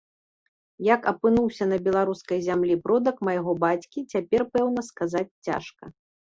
Як апынуўся на беларускай зямлі продак майго бацькі, цяпер пэўна сказаць цяжка.